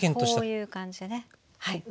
こういう感じでね上。